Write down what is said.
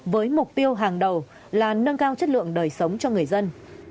với mục tiêu hàng đầu là nâng cao chất lượng đời sống cho người dân